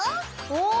お！